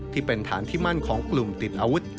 ที่เป็นฐานที่มั่นของกลุ่มติดอาวุธ